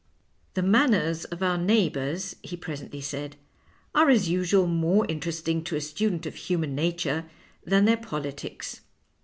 " The manners of our neighbours," he presently said, " are as usual more interesting to a student of human nature than their polities.